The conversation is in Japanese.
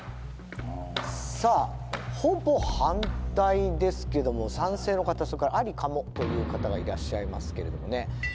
さあほぼ反対ですけども賛成の方それからありかもという方がいらっしゃいますけれどもね。